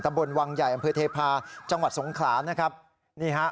บนวังใหญ่อำเภอเทพาะจังหวัดสงขลานะครับนี่ฮะ